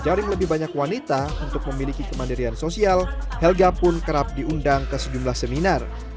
jaring lebih banyak wanita untuk memiliki kemandirian sosial helga pun kerap diundang ke sejumlah seminar